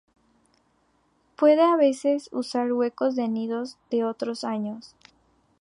Puede a veces usar huecos de nidos de otros años.